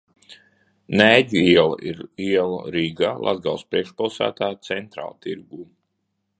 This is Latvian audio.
Nēģu iela ir iela Rīgā, Latgales priekšpilsētā, Centrāltirgū.